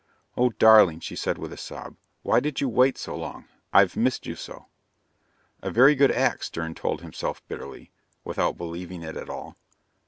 "Oh, darling," she said with a sob, "Why did you wait so long? I've missed you so." A very good act, Stern told himself bitterly, without believing it at all.